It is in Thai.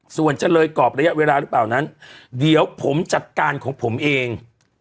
ส่วนจะเลยกรอบระยะเวลาหรือเปล่านั้นเดี๋ยวผมจัดการของผมเอง